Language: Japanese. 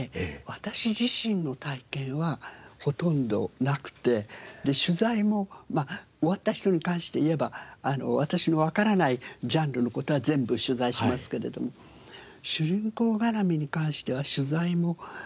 私自身の体験はほとんどなくて取材もまあ終わった人に関して言えば私のわからないジャンルの事は全部取材しますけれども主人公絡みに関しては取材もなくて。